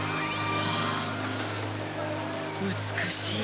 美しい。